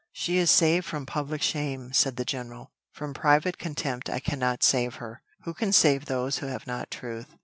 "She is saved from public shame," said the general; "from private contempt I cannot save her: who can save those who have not truth?